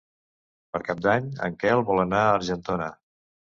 Per Cap d'Any en Quel vol anar a Argentona.